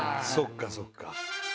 そっかそっか。